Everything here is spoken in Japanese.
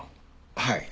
はい。